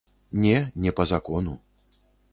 Не, не па закону.